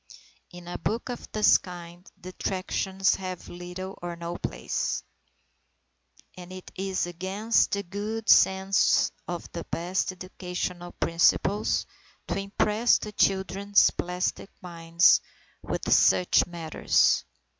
In a book of this kind, detractions have little or no place; and it is against the good sense of the best educational principles, to impress the children's plastic minds with such matters.